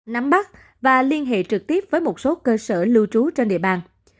nắm bắt và liên hệ trực tiếp với một số cơ sở lưu trú trên địa bàn